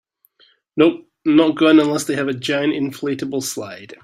Nope, not going unless they have a giant inflatable slide.